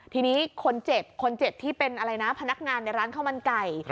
ทีนี้คนเจ็บคนเจ็บที่เป็นอะไรนะพนักงานในร้านข้าวมันไก่